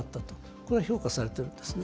これは評価されているんですね。